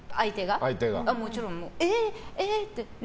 もちろん。えっ！って。